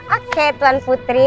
oke tuan putri